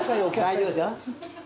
大丈夫ですよ。